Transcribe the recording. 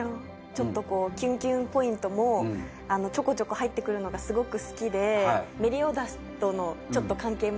ちょっとこうキュンキュンポイントもちょこちょこ入ってくるのがすごく好きでメリオダスとのちょっと関係もね